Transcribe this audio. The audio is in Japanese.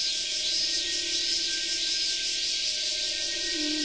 うん。